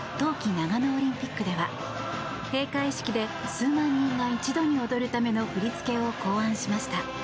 長野オリンピックでは閉会式で数万人が一度に踊るための振り付けを考案しました。